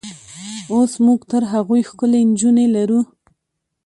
اوس موږ تر هغوی ښکلې نجونې لرو.